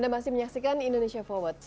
terima kasih pak huda